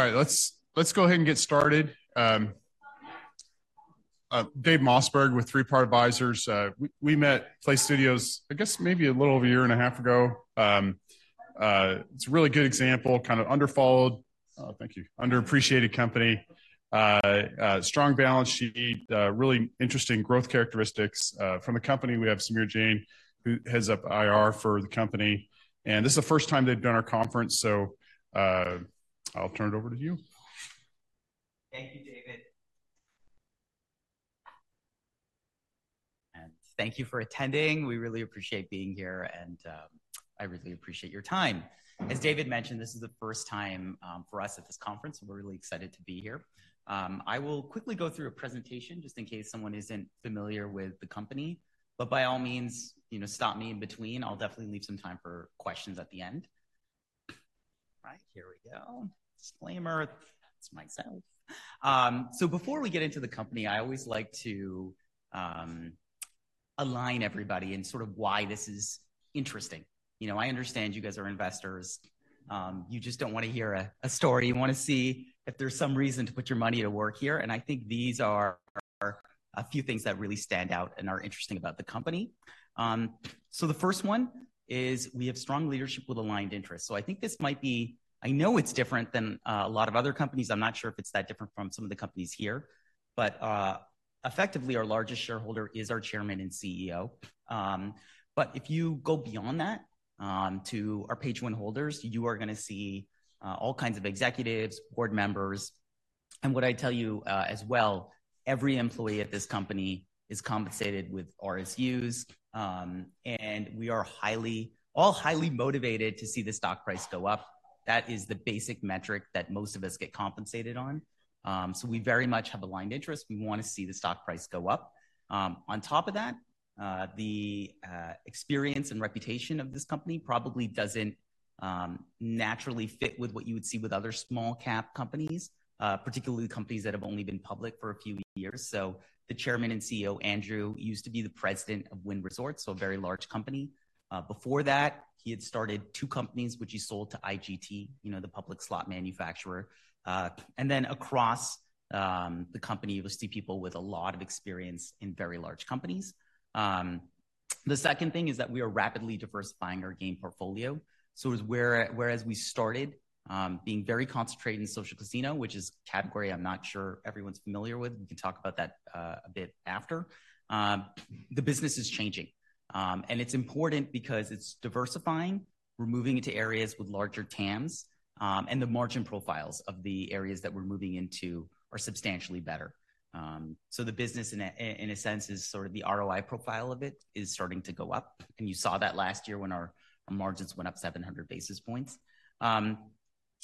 All right, let's go ahead and get started. Dave Mossberg with Three Part Advisors. We met PLAYSTUDIOS, I guess maybe a little over a year and a half ago. It's a really good example, kind of underfollowed, thank you. Underappreciated company, strong balance sheet, really interesting growth characteristics from the company. We have Samir Jain, who heads up IR for the company, and this is the first time they've done our conference, so I'll turn it over to you. Thank you, Dave. Thank you for attending. We really appreciate being here, and I really appreciate your time. As Dave mentioned, this is the first time for us at this conference. We're really excited to be here. I will quickly go through a presentation just in case someone isn't familiar with the company, but by all means, you know, stop me in between. I'll definitely leave some time for questions at the end. Right. Here we go. Disclaimer, that's myself. So before we get into the company, I always like to align everybody in sort of why this is interesting. You know, I understand you guys are investors. You just don't want to hear a story. You want to see if there's some reason to put your money to work here, and I think these are a few things that really stand out and are interesting about the company. So the first one is we have strong leadership with aligned interests. So I think this might be, I know it's different than a lot of other companies. I'm not sure if it's that different from some of the companies here, but effectively, our largest shareholder is our Chairman and CEO. But if you go beyond that, to our page one holders, you are going to see all kinds of executives, board members. And what I tell you as well, every employee at this company is compensated with RSUs, and we are highly, all highly motivated to see the stock price go up. That is the basic metric that most of us get compensated on. So we very much have aligned interests. We want to see the stock price go up. On top of that, the experience and reputation of this company probably doesn't naturally fit with what you would see with other small cap companies, particularly companies that have only been public for a few years. So the Chairman and CEO, Andrew, used to be the president of Wynn Resorts, so a very large company. Before that, he had started two companies, which he sold to IGT, you know, the public slot manufacturer. And then across the company, you will see people with a lot of experience in very large companies. The second thing is that we are rapidly diversifying our game portfolio. So whereas we started being very concentrated in social casino, which is a category I'm not sure everyone's familiar with, we can talk about that a bit after. The business is changing, and it's important because it's diversifying. We're moving into areas with larger TAMs, and the margin profiles of the areas that we're moving into are substantially better. So the business, in a sense, is sort of the ROI profile of it is starting to go up, and you saw that last year when our margins went up 700 basis points.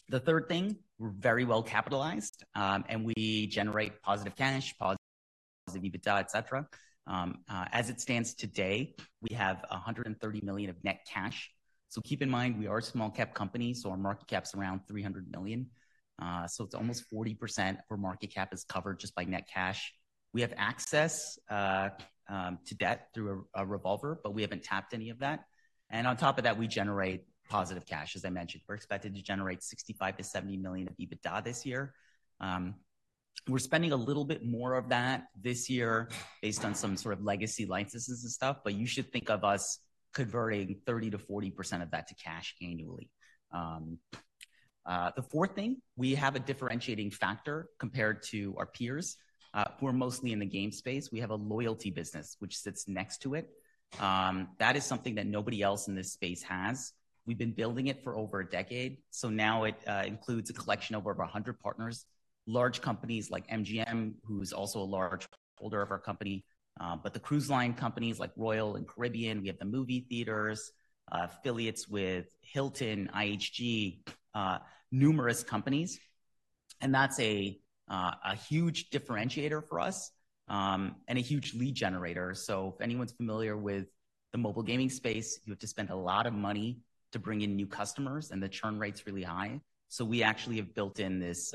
The third thing, we're very well capitalized, and we generate positive cash, positive EBITDA, etc. As it stands today, we have $130 million of net cash. So keep in mind, we are a small-cap company, so our market cap's around $300 million. So it's almost 40% of our market cap is covered just by net cash. We have access to debt through a revolver, but we haven't tapped any of that. And on top of that, we generate positive cash. As I mentioned, we're expected to generate $65 million-$70 million of EBITDA this year. We're spending a little bit more of that this year based on some sort of legacy licenses and stuff, but you should think of us converting 30%-40% of that to cash annually. The fourth thing, we have a differentiating factor compared to our peers, who are mostly in the game space. We have a loyalty business which sits next to it. That is something that nobody else in this space has. We've been building it for over a decade, so now it includes a collection of over 100 partners. Large companies like MGM, who's also a large holder of our company, but the cruise line companies like Royal Caribbean, we have the movie theaters, affiliates with Hilton, IHG, numerous companies. And that's a huge differentiator for us, and a huge lead generator. So if anyone's familiar with the mobile gaming space, you have to spend a lot of money to bring in new customers, and the churn rate's really high. So we actually have built in this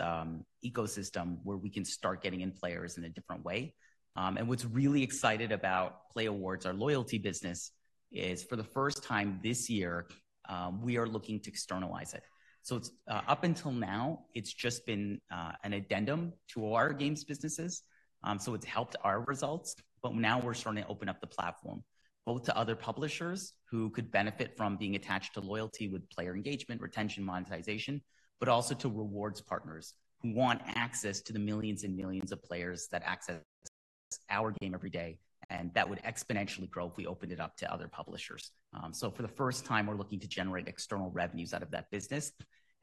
ecosystem where we can start getting in players in a different way. What's really exciting about playAWARDS, our loyalty business, is for the first time this year, we are looking to externalize it. So it's, up until now, it's just been an addendum to our games businesses. So it's helped our results, but now we're starting to open up the platform, both to other publishers who could benefit from being attached to loyalty with player engagement, retention, monetization, but also to rewards partners who want access to the millions and millions of players that access our game every day. And that would exponentially grow if we opened it up to other publishers. So for the first time, we're looking to generate external revenues out of that business.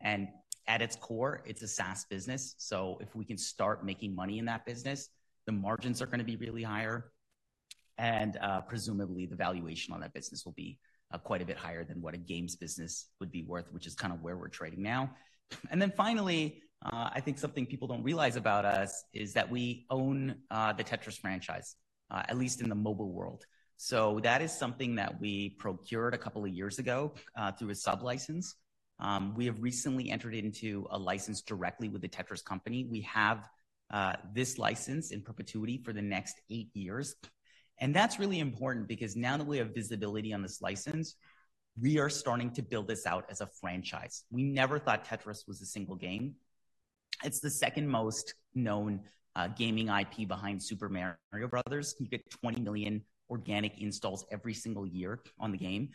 And at its core, it's a SaaS business, so if we can start making money in that business, the margins are going to be really higher. And, presumably, the valuation on that business will be quite a bit higher than what a games business would be worth, which is kind of where we're trading now. And then finally, I think something people don't realize about us is that we own the Tetris franchise, at least in the mobile world. So that is something that we procured a couple of years ago through a sublicense. We have recently entered into a license directly with the Tetris Company. We have this license in perpetuity for the next eight years, and that's really important because now that we have visibility on this license, we are starting to build this out as a franchise. We never thought Tetris was a single game. It's the second most known gaming IP behind Super Mario Brothers. You get 20 million organic installs every single year on the game.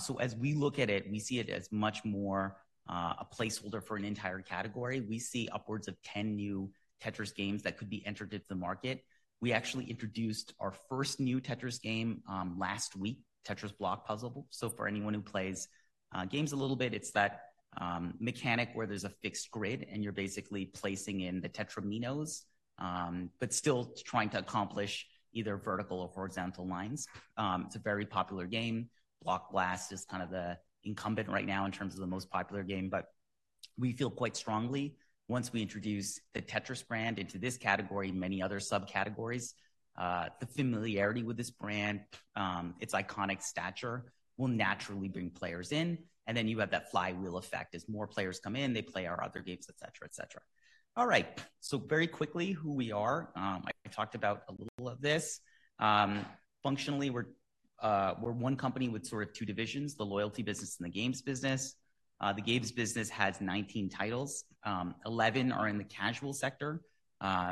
So as we look at it, we see it as much more, a placeholder for an entire category. We see upwards of 10 new Tetris games that could be entered into the market. We actually introduced our first new Tetris game, last week, Tetris Block Puzzle. So for anyone who plays, games a little bit, it's that, mechanic where there's a fixed grid, and you're basically placing in the tetrominos, but still trying to accomplish either vertical or horizontal lines. It's a very popular game. Block Blast is kind of the incumbent right now in terms of the most popular game, but we feel quite strongly, once we introduce the Tetris brand into this category and many other subcategories, the familiarity with this brand, its iconic stature will naturally bring players in, and then you have that flywheel effect. As more players come in, they play our other games, et cetera, et cetera. All right. Very quickly, who we are. I talked about a little of this. Functionally, we're one company with sort of two divisions, the loyalty business and the games business. The games business has 19 titles. Eleven are in the casual sector.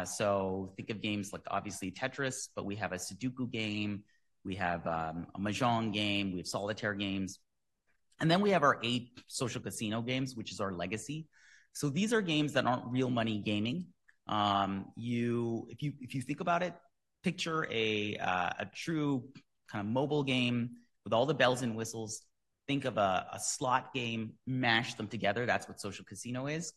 So think of games like, obviously, Tetris, but we have a Sudoku game, we have a Mahjong game, we have Solitaire games, and then we have our eight social casino games, which is our legacy. So these are games that aren't real money gaming. You, if you think about it, picture a true kind of mobile game with all the bells and whistles. Think of a slot game, mash them together, that's what social casino is,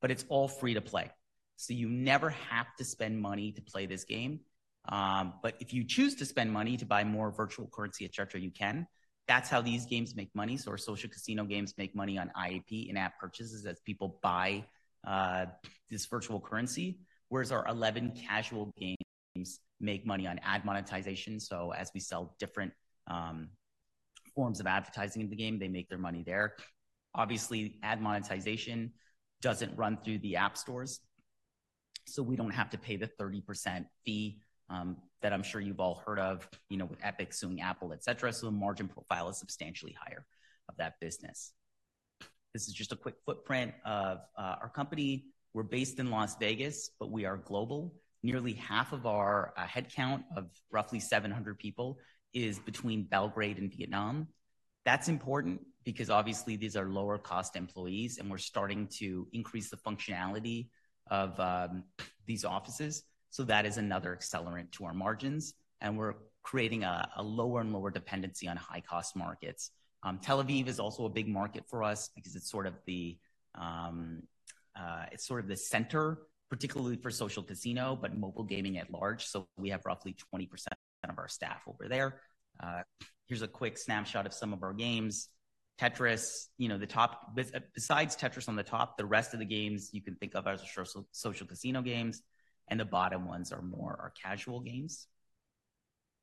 but it's all free to play. So you never have to spend money to play this game. But if you choose to spend money to buy more virtual currency, et cetera, you can. That's how these games make money. So our social casino games make money on IAP, in-app purchases, as people buy this virtual currency, whereas our 11 casual games make money on ad monetization. So as we sell different forms of advertising in the game, they make their money there. Obviously, ad monetization doesn't run through the app stores, so we don't have to pay the 30% fee that I'm sure you've all heard of, you know, with Epic suing Apple, et cetera. So the margin profile is substantially higher of that business. This is just a quick footprint of our company. We're based in Las Vegas, but we are global. Nearly half of our headcount of roughly 700 people is between Belgrade and Vietnam. That's important because obviously these are lower-cost employees, and we're starting to increase the functionality of these offices, so that is another accelerant to our margins, and we're creating a lower and lower dependency on high-cost markets. Tel Aviv is also a big market for us because it's sort of the center, particularly for social casino, but mobile gaming at large, so we have roughly 20% of our staff over there. Here's a quick snapshot of some of our games. Tetris, you know, the top - besides Tetris on the top, the rest of the games you can think of as a social, social casino games, and the bottom ones are more our casual games.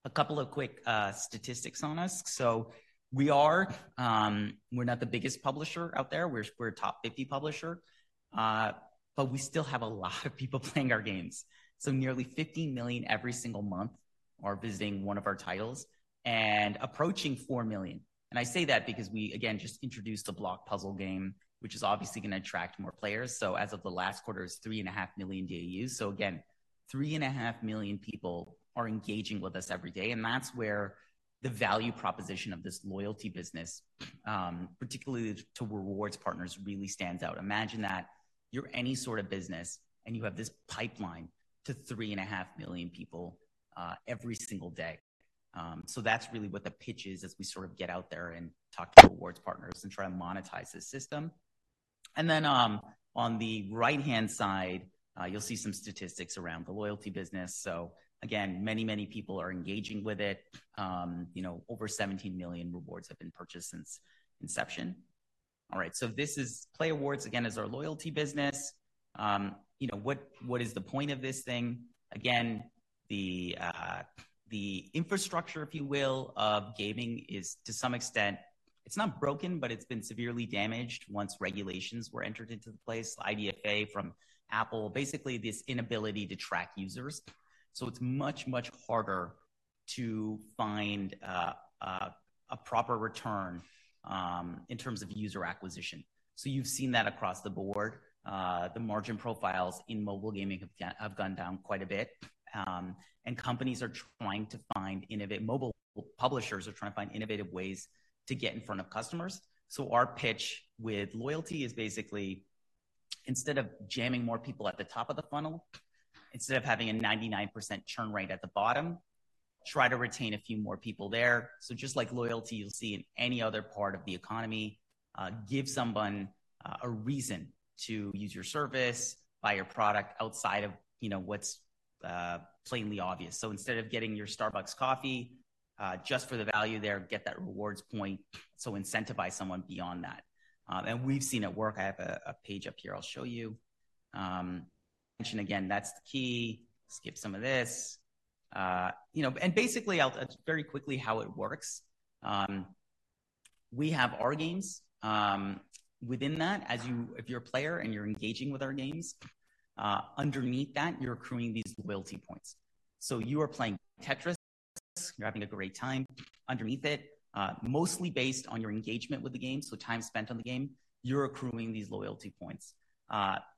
A couple of quick statistics on us. So we are, we're not the biggest publisher out there. We're a top 50 publisher, but we still have a lot of people playing our games. So nearly 50 million every single month are visiting one of our titles and approaching 4 million. And I say that because we again just introduced a block puzzle game, which is obviously going to attract more players. So as of the last quarter, it's 3.5 million DAUs. So again, 3.5 million people are engaging with us every day, and that's where the value proposition of this loyalty business, particularly to rewards partners, really stands out. Imagine that you're any sort of business, and you have this pipeline to 3.5 million people every single day. So that's really what the pitch is as we sort of get out there and talk to rewards partners and try to monetize this system. And then, on the right-hand side, you'll see some statistics around the loyalty business. So again, many, many people are engaging with it. You know, over 17 million rewards have been purchased since inception. All right, so this is, playAWARDS, again, is our loyalty business. You know, what is the point of this thing? Again, the infrastructure, if you will, of gaming is, to some extent, it's not broken, but it's been severely damaged once regulations were entered into the place. IDFA from Apple, basically this inability to track users. So it's much, much harder to find a proper return in terms of user acquisition. So you've seen that across the board. The margin profiles in mobile gaming have gone down quite a bit, and companies are trying to find innovative ways to get in front of customers. So our pitch with loyalty is basically, instead of jamming more people at the top of the funnel, instead of having a 99% churn rate at the bottom, try to retain a few more people there. So just like loyalty, you'll see in any other part of the economy, give someone a reason to use your service, buy your product outside of, you know, what's plainly obvious. So instead of getting your Starbucks coffee just for the value there, get that rewards point, so incentivize someone beyond that. And we've seen it work. I have a page up here I'll show you. Mention again, that's the key. Skip some of this. You know, and basically, I'll very quickly how it works. We have our games within that. As if you're a player and you're engaging with our games, underneath that, you're accruing these loyalty points. So you are playing Tetris, you're having a great time. Underneath it, mostly based on your engagement with the game, so time spent on the game, you're accruing these loyalty points.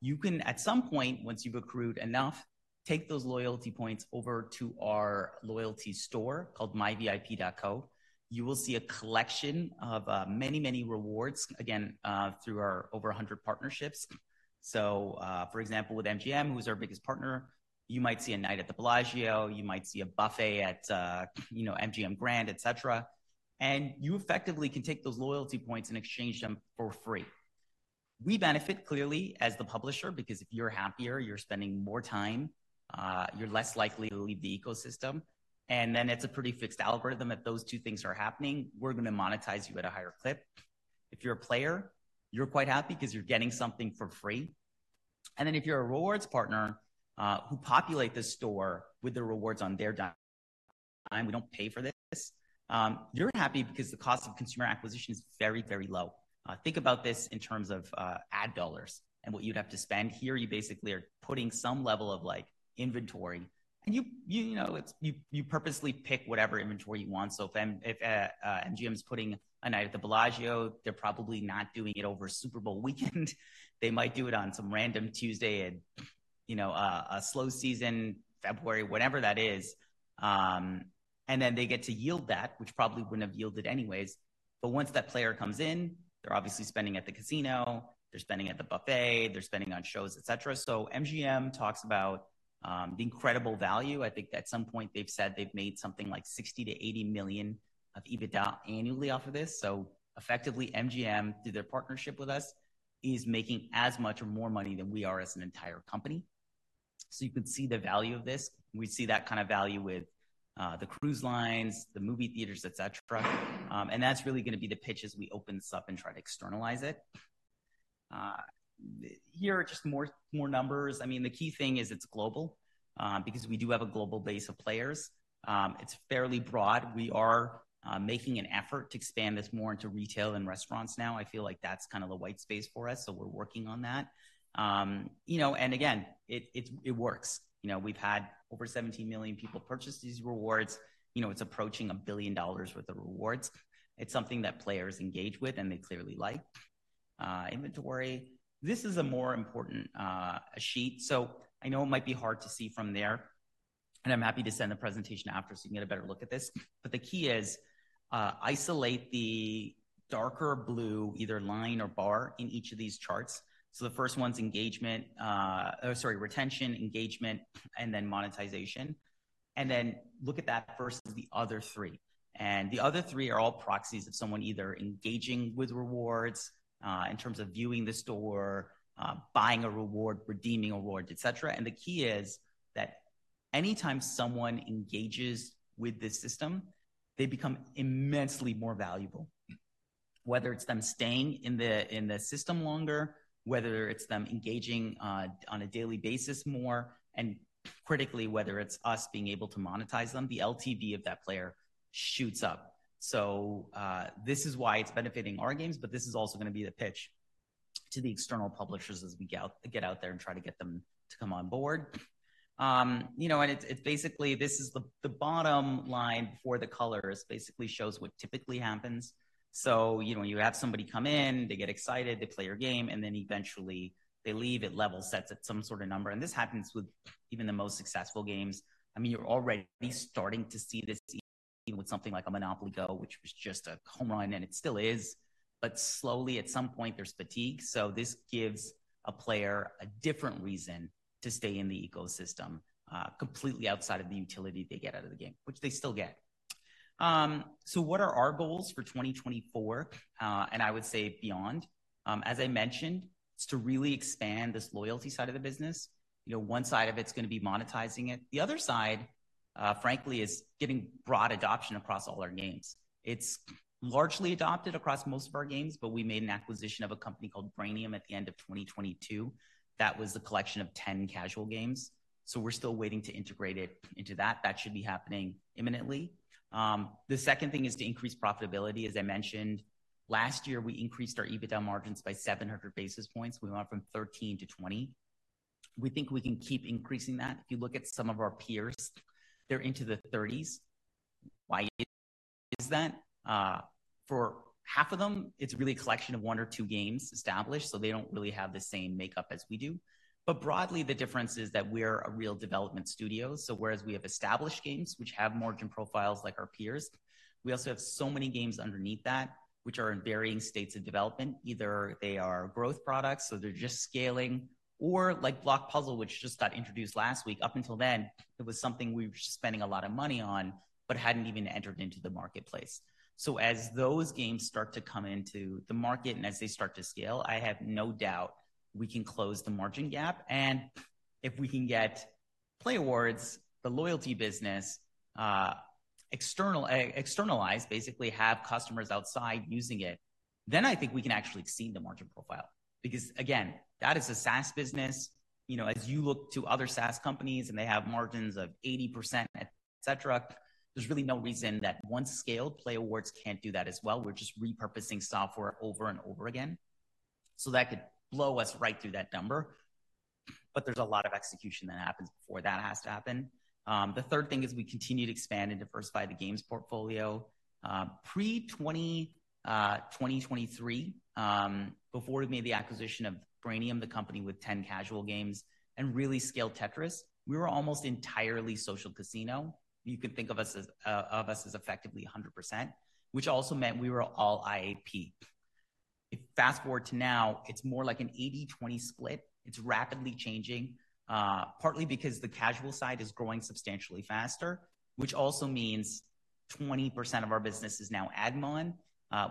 You can, at some point, once you've accrued enough, take those loyalty points over to our loyalty store called myVIP.co. You will see a collection of many, many rewards, again, through our over 100 partnerships. So, for example, with MGM, who is our biggest partner, you might see a night at the Bellagio, you might see a buffet at, you know, MGM Grand, etc. And you effectively can take those loyalty points and exchange them for free. We benefit, clearly, as the publisher, because if you're happier, you're spending more time, you're less likely to leave the ecosystem. And then it's a pretty fixed algorithm. If those two things are happening, we're going to monetize you at a higher clip. If you're a player, you're quite happy because you're getting something for free. And then if you're a rewards partner, who populate the store with the rewards on their dime, we don't pay for this, you're happy because the cost of consumer acquisition is very, very low. Think about this in terms of ad dollars and what you'd have to spend. Here, you basically are putting some level of, like, inventory, and you know, you purposely pick whatever inventory you want. So if MGM is putting a night at the Bellagio, they're probably not doing it over Super Bowl weekend. They might do it on some random Tuesday at, you know, a slow season, February, whatever that is. And then they get to yield that, which probably wouldn't have yielded anyways. But once that player comes in, they're obviously spending at the casino, they're spending at the buffet, they're spending on shows, etc. So MGM talks about the incredible value. I think at some point they've said they've made something like $60 million-$80 million of EBITDA annually off of this. So effectively, MGM, through their partnership with us, is making as much or more money than we are as an entire company. So you could see the value of this. We see that kind of value with the cruise lines, the movie theaters, etc. And that's really going to be the pitch as we open this up and try to externalize it. Here are just more, more numbers. I mean, the key thing is it's global because we do have a global base of players. It's fairly broad. We are making an effort to expand this more into retail and restaurants now. I feel like that's kind of the white space for us, so we're working on that. You know, and again, it works. You know, we've had over 17 million people purchase these rewards. You know, it's approaching $1 billion worth of rewards. It's something that players engage with, and they clearly like, inventory. This is a more important sheet. So I know it might be hard to see from there, and I'm happy to send the presentation after, so you can get a better look at this. But the key is, isolate the darker blue, either line or bar, in each of these charts. So the first one's engagement, or sorry, retention, engagement, and then monetization. And then look at that versus the other three. And the other three are all proxies of someone either engaging with rewards, in terms of viewing the store, buying a reward, redeeming awards, etc. And the key is that anytime someone engages with this system, they become immensely more valuable. Whether it's them staying in the system longer, whether it's them engaging on a daily basis more, and critically, whether it's us being able to monetize them, the LTV of that player shoots up. So, this is why it's benefiting our games, but this is also going to be the pitch to the external publishers as we get out, get out there and try to get them to come on board. You know, and it's basically this is the bottom line for the colors, basically shows what typically happens. So, you know, you have somebody come in, they get excited, they play your game, and then eventually they leave, it level sets at some sort of number. This happens with even the most successful games. I mean, you're already starting to see this with something like a Monopoly GO!, which was just a home run, and it still is. But slowly, at some point, there's fatigue. So this gives a player a different reason to stay in the ecosystem, completely outside of the utility they get out of the game, which they still get. So what are our goals for 2024? And I would say beyond. As I mentioned, it's to really expand this loyalty side of the business. You know, one side of it's going to be monetizing it. The other side, frankly, is getting broad adoption across all our games. It's largely adopted across most of our games, but we made an acquisition of a company called Brainium at the end of 2022. That was a collection of 10 casual games, so we're still waiting to integrate it into that. That should be happening imminently. The second thing is to increase profitability. As I mentioned, last year, we increased our EBITDA margins by 700 basis points. We went from 13 to 20. We think we can keep increasing that. If you look at some of our peers, they're into the 30s. Why is that? For half of them, it's really a collection of 1 or 2 games established, so they don't really have the same makeup as we do. But broadly, the difference is that we're a real development studio. So whereas we have established games which have margin profiles like our peers, we also have so many games underneath that which are in varying states of development. Either they are growth products, so they're just scaling, or like Block Puzzle, which just got introduced last week. Up until then, it was something we were just spending a lot of money on, but hadn't even entered into the marketplace. So as those games start to come into the market and as they start to scale, I have no doubt we can close the margin gap. And if we can get playAWARDS, the loyalty business, external, externalized, basically have customers outside using it, then I think we can actually exceed the margin profile. Because, again, that is a SaaS business. You know, as you look to other SaaS companies, and they have margins of 80%, etc., there's really no reason that once scaled, playAWARDS can't do that as well. We're just repurposing software over and over again. So that could blow us right through that number... but there's a lot of execution that happens before that has to happen. The third thing is we continue to expand and diversify the games portfolio. Pre-2023, before we made the acquisition of Brainium, the company with 10 casual games, and really scaled Tetris, we were almost entirely social casino. You could think of us as effectively 100%, which also meant we were all IAP. Fast-forward to now, it's more like an 80/20 split. It's rapidly changing, partly because the casual side is growing substantially faster, which also means 20% of our business is now ad monet,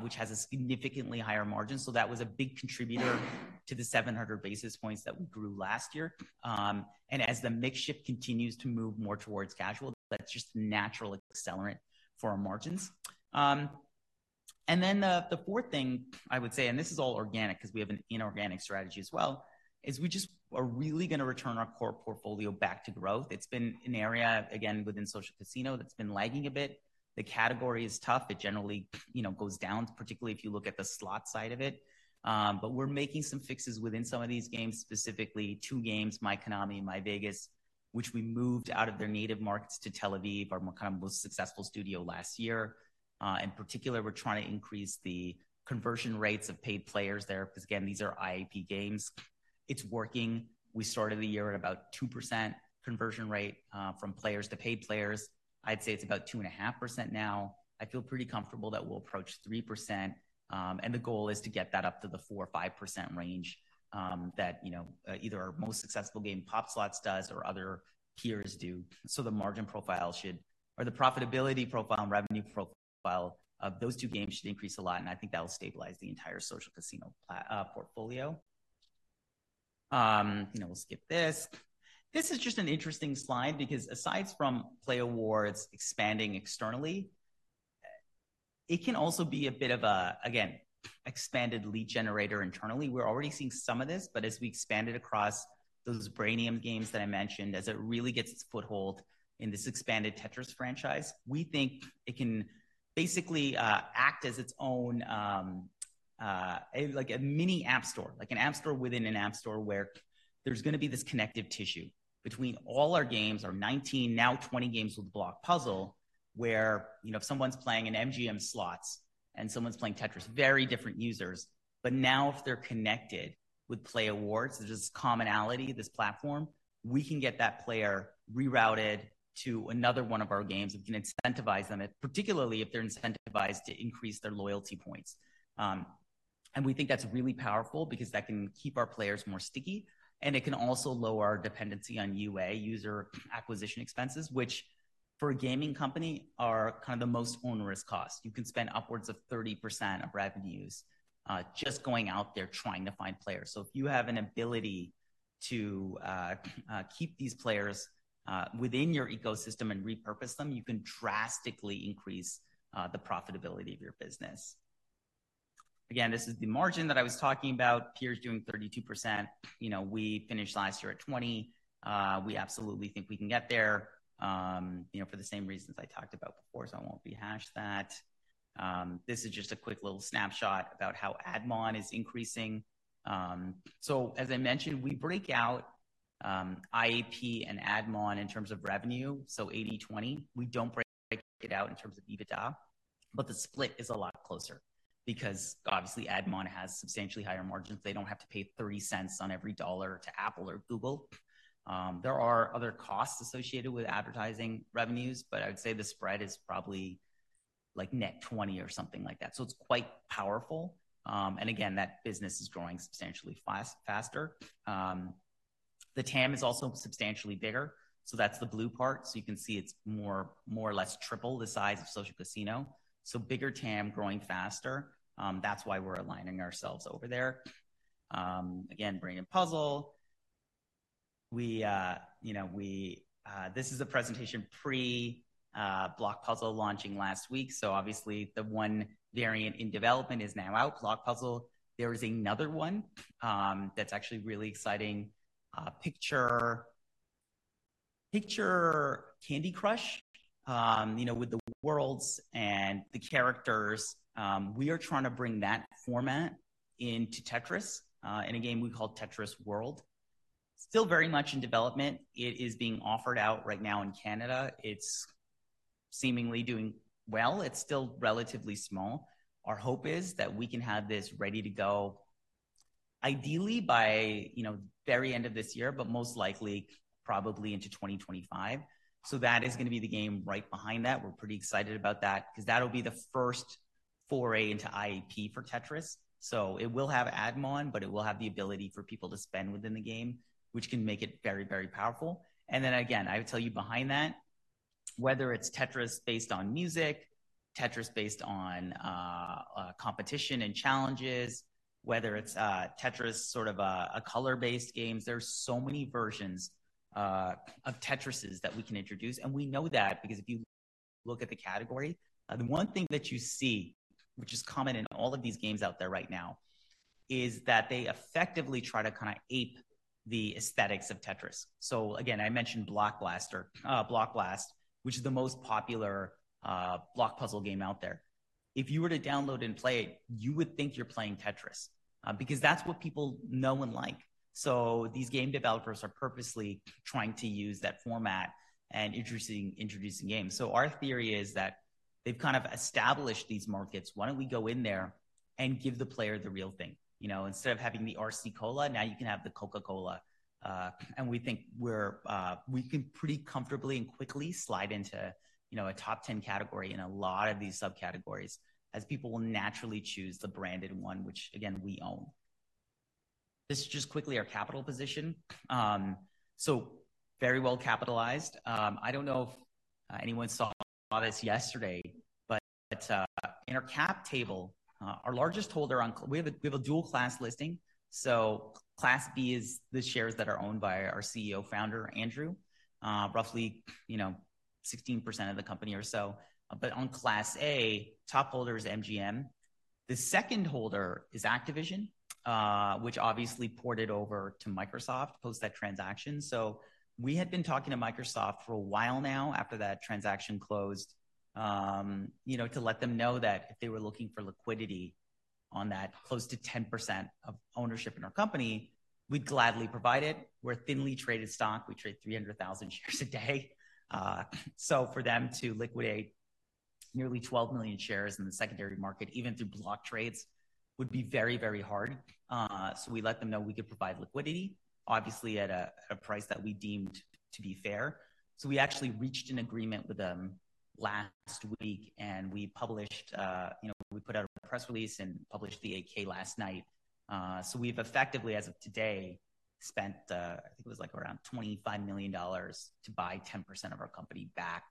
which has a significantly higher margin. So that was a big contributor to the 700 basis points that we grew last year. And as the mix shift continues to move more towards casual, that's just a natural accelerant for our margins. And then the fourth thing I would say, and this is all organic because we have an inorganic strategy as well, is we just are really going to return our core portfolio back to growth. It's been an area, again, within social casino, that's been lagging a bit. The category is tough. It generally, you know, goes down, particularly if you look at the slot side of it. But we're making some fixes within some of these games, specifically two games, myKONAMI and myVEGAS, which we moved out of their native markets to Tel Aviv, our more kind of most successful studio last year. In particular, we're trying to increase the conversion rates of paid players there, because, again, these are IAP games. It's working. We started the year at about 2% conversion rate, from players to paid players. I'd say it's about 2.5% now. I feel pretty comfortable that we'll approach 3%. And the goal is to get that up to the 4%-5% range, that, you know, either our most successful game, POP! Slots, does or other peers do. So the margin profile should or the profitability profile and revenue profile of those two games should increase a lot, and I think that will stabilize the entire social casino portfolio. You know, we'll skip this. This is just an interesting slide because aside from playAWARDS expanding externally, it can also be a bit of a, again, expanded lead generator internally. We're already seeing some of this, but as we expand it across those Brainium games that I mentioned, as it really gets its foothold in this expanded Tetris franchise, we think it can basically act as its own like a mini app store, like an app store within an app store, where there's going to be this connective tissue between all our games, our 19, now 20 games with Block Puzzle, where, you know, if someone's playing in MGM Slots and someone's playing Tetris, very different users. But now, if they're connected with playAWARDS, there's this commonality, this platform, we can get that player rerouted to another one of our games. We can incentivize them, particularly if they're incentivized to increase their loyalty points. And we think that's really powerful because that can keep our players more sticky, and it can also lower our dependency on UA, user acquisition expenses, which for a gaming company, are the most onerous cost. You can spend upwards of 30% of revenues, just going out there trying to find players. So if you have an ability to keep these players within your ecosystem and repurpose them, you can drastically increase the profitability of your business. Again, this is the margin that I was talking about. Peers doing 32%. You know, we finished last year at 20%. We absolutely think we can get there, you know, for the same reasons I talked about before, so I won't rehash that. This is just a quick little snapshot about how Ad Mon is increasing. So as I mentioned, we break out IAP and Ad Mon in terms of revenue, so 80/20. We don't break it out in terms of EBITDA, but the split is a lot closer because obviously, Ad Mon has substantially higher margins. They don't have to pay $0.30 on every $1 to Apple or Google. There are other costs associated with advertising revenues, but I'd say the spread is probably like net 20 or something like that. So it's quite powerful. And again, that business is growing substantially fast, faster. The TAM is also substantially bigger, so that's the blue part. So you can see it's more or less triple the size of social casino. So bigger TAM, growing faster. That's why we're aligning ourselves over there. Again, Brainium Puzzle. We, you know, this is a presentation pre Block Puzzle launching last week. So obviously, the one variant in development is now out, Block Puzzle. There is another one, that's actually really exciting. Picture, picture Candy Crush, you know, with the worlds and the characters. We are trying to bring that format into Tetris, in a game we call Tetris World. Still very much in development. It is being offered out right now in Canada. It's seemingly doing well. It's still relatively small. Our hope is that we can have this ready to go, ideally by, you know, very end of this year, but most likely, probably into 2025. So that is going to be the game right behind that. We're pretty excited about that because that'll be the first foray into IAP for Tetris. So it will have ad mon, but it will have the ability for people to spend within the game, which can make it very, very powerful. And then again, I would tell you behind that, whether it's Tetris based on music, Tetris based on, competition and challenges, whether it's, Tetris, sort of a, a color-based games, there's so many versions, of Tetrises that we can introduce. And we know that because if you look at the category, the one thing that you see, which is common in all of these games out there right now, is that they effectively try to kind of ape the aesthetics of Tetris. So again, I mentioned Block Blast, which is the most popular, block puzzle game out there. If you were to download and play it, you would think you're playing Tetris, because that's what people know and like. So these game developers are purposely trying to use that format and interesting introducing games. So our theory is that they've kind of established these markets. Why don't we go in there and give the player the real thing? You know, instead of having the RC Cola, now you can have the Coca-Cola. And we think we can pretty comfortably and quickly slide into, you know, a top ten category in a lot of these subcategories, as people will naturally choose the branded one, which, again, we own. This is just quickly our capital position. So very well capitalized. I don't know if anyone saw this yesterday, but in our cap table, our largest holder. We have a dual class listing, so Class B is the shares that are owned by our CEO founder, Andrew. Roughly, you know, 16% of the company or so. But on Class A, top holder is MGM. The second holder is Activision, which obviously ported over to Microsoft post that transaction. So we had been talking to Microsoft for a while now, after that transaction closed, you know, to let them know that if they were looking for liquidity on that close to 10% of ownership in our company, we'd gladly provide it. We're a thinly traded stock. We trade 300,000 shares a day. So for them to liquidate nearly 12 million shares in the secondary market, even through block trades, would be very, very hard. So we let them know we could provide liquidity, obviously, at a price that we deemed to be fair. So we actually reached an agreement with them last week, and we published, you know, we put out a press release and published the 8-K last night. So we've effectively, as of today, spent, I think it was like around $25 million to buy 10% of our company back.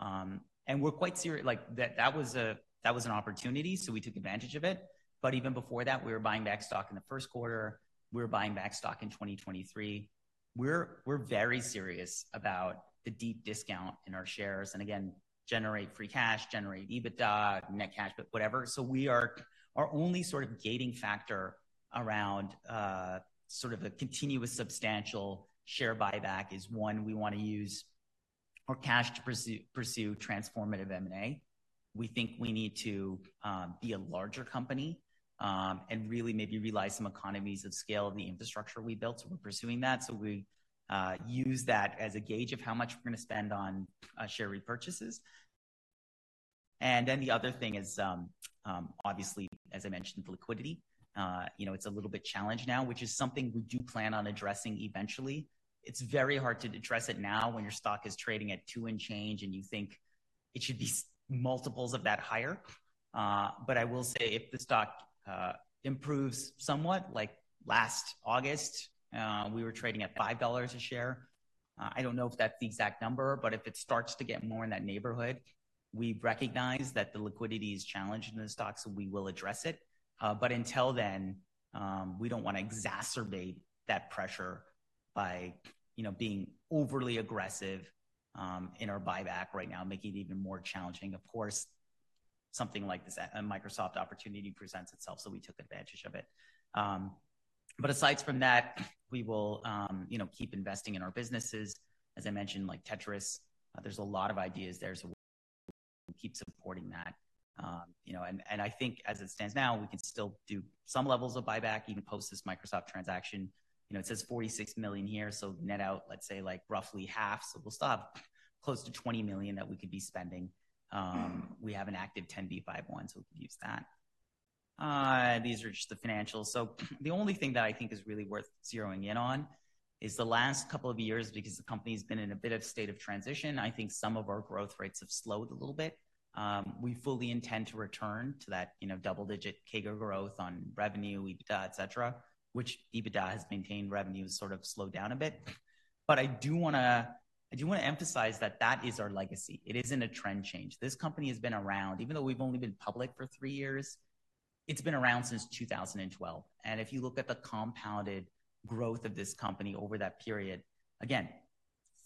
And we're quite serious, like, that was an opportunity, so we took advantage of it. But even before that, we were buying back stock in the first quarter. We were buying back stock in 2023. We're very serious about the deep discount in our shares, and again, generate free cash, generate EBITDA, net cash, but whatever. So our only sort of gating factor around sort of a continuous substantial share buyback is, one, we want to use our cash to pursue transformative M&A. We think we need to be a larger company, and really maybe realize some economies of scale of the infrastructure we built, so we're pursuing that. So we use that as a gauge of how much we're going to spend on share repurchases. And then the other thing is, obviously, as I mentioned, liquidity. You know, it's a little bit challenged now, which is something we do plan on addressing eventually. It's very hard to address it now when your stock is trading at $2 and change, and you think it should be multiples of that higher. But I will say if the stock improves somewhat, like last August, we were trading at $5 a share. I don't know if that's the exact number, but if it starts to get more in that neighborhood, we recognize that the liquidity is challenged in the stock, so we will address it. But until then, we don't want to exacerbate that pressure by, you know, being overly aggressive in our buyback right now, making it even more challenging. Of course, something like this, a Microsoft opportunity presents itself, so we took advantage of it. But aside from that, we will, you know, keep investing in our businesses. As I mentioned, like Tetris, there's a lot of ideas there, so we'll keep supporting that. You know, and I think as it stands now, we can still do some levels of buyback, even post this Microsoft transaction. You know, it says $46 million here, so net out, let's say, like roughly half. So we'll still have close to $20 million that we could be spending. We have an active 10b5-1, so we'll use that. These are just the financials. So the only thing that I think is really worth zeroing in on is the last couple of years, because the company's been in a bit of state of transition. I think some of our growth rates have slowed a little bit. We fully intend to return to that, you know, double-digit CAGR growth on revenue, EBITDA, et cetera, which EBITDA has maintained revenue, sort of slowed down a bit. But I do wanna, I do wanna emphasize that that is our legacy. It isn't a trend change. This company has been around, even though we've only been public for 3 years, it's been around since 2012. And if you look at the compounded growth of this company over that period, again,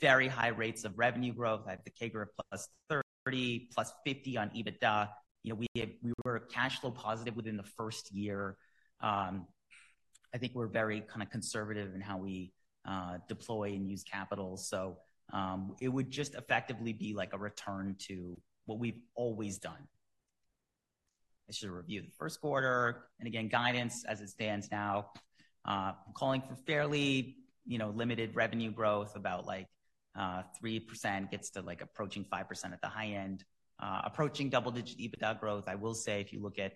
very high rates of revenue growth, like the CAGR of +30, +50 on EBITDA. You know, we were cash flow positive within the first year. I think we're very kind of conservative in how we deploy and use capital. So, it would just effectively be like a return to what we've always done. I should review the first quarter, and again, guidance as it stands now, calling for fairly, you know, limited revenue growth, about like, 3% gets to, like, approaching 5% at the high end, approaching double-digit EBITDA growth. I will say, if you look at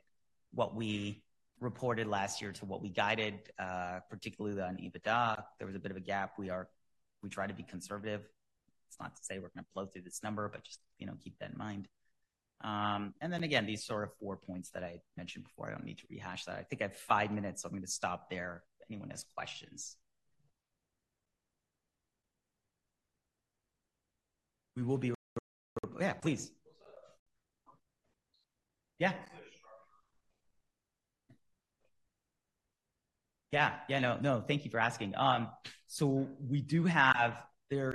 what we reported last year to what we guided, particularly on EBITDA, there was a bit of a gap. We are-- we try to be conservative. It's not to say we're going to blow through this number, but just, you know, keep that in mind. And then again, these sort of four points that I mentioned before, I don't need to rehash that. I think I have five minutes, so I'm going to stop there, if anyone has questions. We will be... Yeah, please. What's that? Yeah. Structure. Yeah. Yeah, no, no, thank you for asking. So we do have three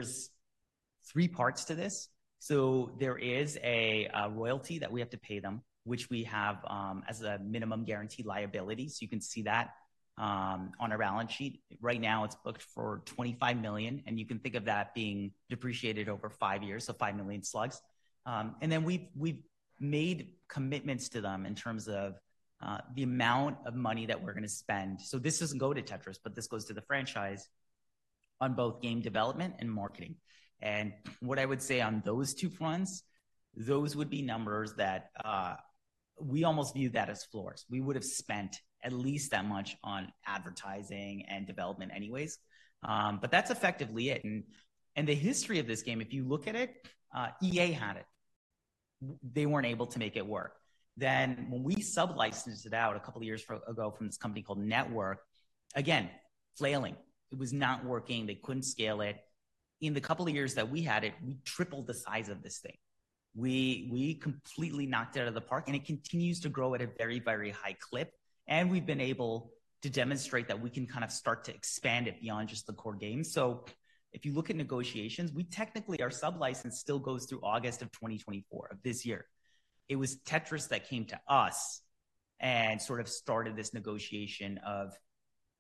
parts to this. So there is a royalty that we have to pay them, which we have as a minimum guarantee liability. So you can see that on our balance sheet. Right now, it's booked for $25 million, and you can think of that being depreciated over 5 years, so $5 million slugs. And then we've made commitments to them in terms of the amount of money that we're going to spend. So this doesn't go to Tetris, but this goes to the franchise on both game development and marketing. And what I would say on those two fronts, those would be numbers that we almost view that as floors. We would have spent at least that much on advertising and development anyways, but that's effectively it. And the history of this game, if you look at it, EA had it. They weren't able to make it work. Then, when we sub-licensed it out a couple of years ago from this company called N3TWORK, again, flailing. It was not working. They couldn't scale it. In the couple of years that we had it, we tripled the size of this thing. We completely knocked it out of the park, and it continues to grow at a very, very high clip, and we've been able to demonstrate that we can start to expand it beyond just the core game. So if you look at negotiations, we technically, our sublicense still goes through August of 2024, of this year. It was Tetris that came to us and sort of started this negotiation of,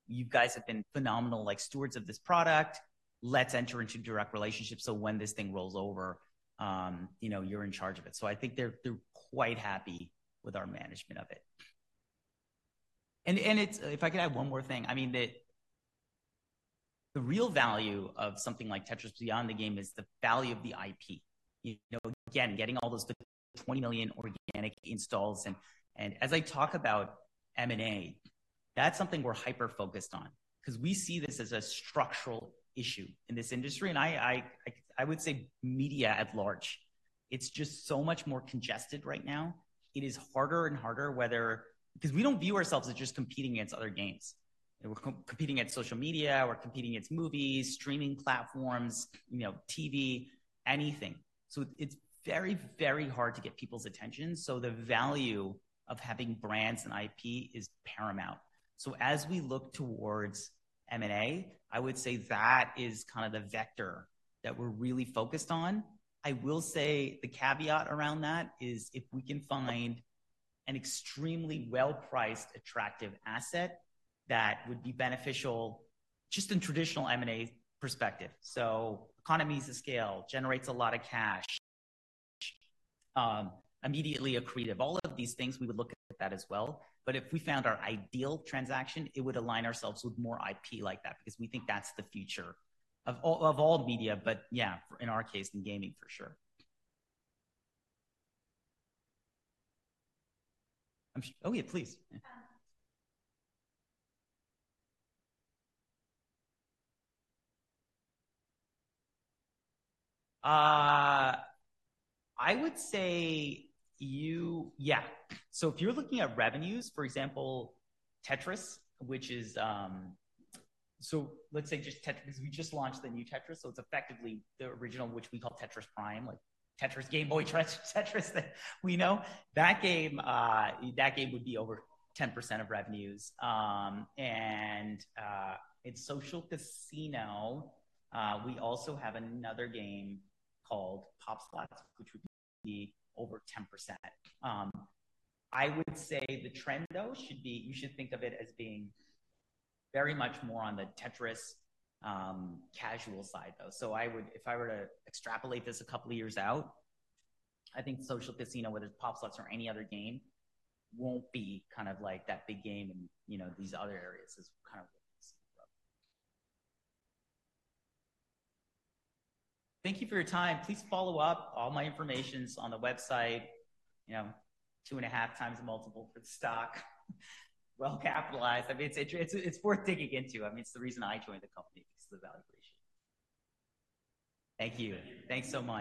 "You guys have been phenomenal, like, stewards of this product. Let's enter into direct relationship, so when this thing rolls over, you know, you're in charge of it." So I think they're quite happy with our management of it. And it's. If I could add one more thing, I mean, the real value of something like Tetris beyond the game is the value of the IP. You know, again, getting all those 20 million organic installs, and as I talk about M&A, that's something we're hyper-focused on because we see this as a structural issue in this industry, and I would say media at large. It's just so much more congested right now. It is harder and harder whether, because we don't view ourselves as just competing against other games. We're competing against social media, we're competing against movies, streaming platforms, you know, TV, anything. So it's very, very hard to get people's attention, so the value of having brands and IP is paramount. So as we look towards M&A, I would say that is kind of the vector that we're really focused on. I will say the caveat around that is if we can find an extremely well-priced, attractive asset that would be beneficial just in traditional M&A perspective. So economies of scale, generates a lot of cash, immediately accretive. All of these things, we would look at that as well. But if we found our ideal transaction, it would align ourselves with more IP like that, because we think that's the future of all, of all media. But yeah, in our case, in gaming, for sure. Oh, yeah, please. I would say you-- Yeah. So if you're looking at revenues, for example, Tetris, which is... So let's say just Tetris, we just launched the new Tetris, so it's effectively the original, which we call Tetris Prime, like Tetris, Game Boy Tetris, Tetris that we know. That game, that game would be over 10% of revenues. And in Social Casino, we also have another game called Pop Slots, which would be over 10%. I would say the trend, though, should be, you should think of it as being very much more on the Tetris, casual side, though. So I would if I were to extrapolate this a couple of years out, I think Social Casino, whether it's Pop Slots or any other game, won't be kind of like that big game in, you know, these other areas is kind of what. Thank you for your time. Please follow up. All my information's on the website, you know, 2.5x multiple for the stock. Well capitalized. I mean, it's worth digging into. I mean, it's the reason I joined the company, is the valuation. Thank you. Thanks so much.